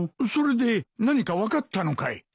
それで何か分かったのかい？